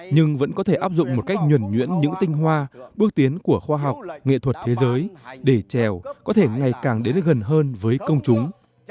nhưng vẫn có thể áp dụng một cách nhuẩn nhuyễn những tinh hoa bước tiến của khoa học nghệ thuật thế giới để trèo có thể ngày càng đến gần hơn với công chúng